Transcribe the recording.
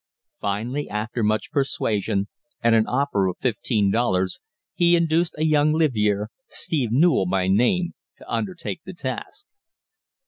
Finally, after much persuasion and an offer of fifteen dollars, he induced a young livyere, Steve Newell by name, to undertake the task.